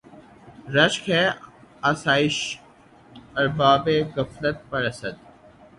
رشک ہے آسایشِ اربابِ غفلت پر اسد!